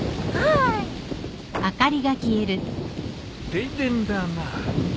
停電だな。